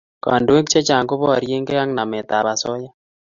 Kandoik chechang" ko barieg'ei ak namet ab asoya